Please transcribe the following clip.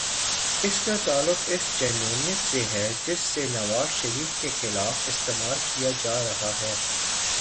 اس کا تعلق اس جنونیت سے ہے، جسے اب نواز شریف کے خلاف استعمال کیا جا رہا ہے۔